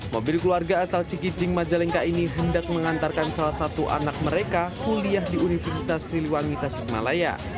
mobil keluarga asal cikijing majalengka ini hendak mengantarkan salah satu anak mereka kuliah di universitas siliwangi tasikmalaya